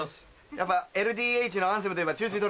やっぱＬＤＨのアンセムといえば。